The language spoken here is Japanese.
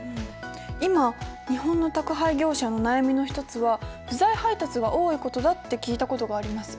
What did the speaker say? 今日本の宅配業者の悩みの一つは不在配達が多いことだって聞いたことがあります。